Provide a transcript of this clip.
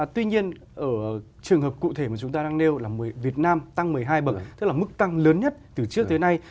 tuy nhiên ở trường hợp cụ thể mà chúng ta đang nêu là việt nam tăng một mươi hai bậc tức là mức tăng lớn nhất từ trước tới nay